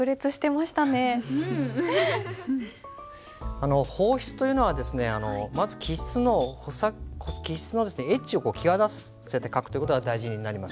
あの方筆というのはまず起筆のエッジを際立たせて書くという事が大事になります。